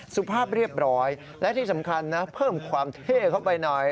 สุภาพเรียบร้อยและที่สำคัญนะเพิ่มความเท่เข้าไปหน่อย